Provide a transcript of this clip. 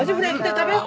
食べよう。